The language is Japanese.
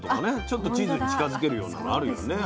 ちょっとチーズに近づけるようなのあるよね